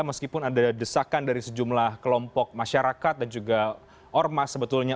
meskipun ada desakan dari sejumlah kelompok masyarakat dan juga ormas sebetulnya